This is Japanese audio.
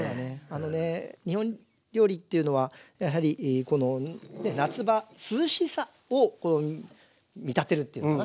あのね日本料理っていうのはやはりこの夏場涼しさを見立てるというのかな